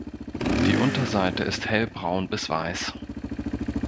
Die Unterseite ist hellbraun bis weiß.